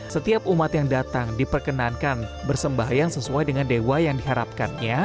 setiap umat yang datang diperkenankan bersembahyang sesuai dengan dewa yang diharapkannya